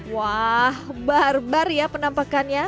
wah bar bar ya penampakannya